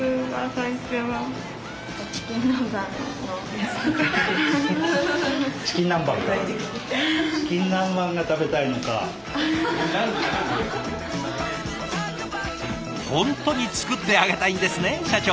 本当に作ってあげたいんですね社長。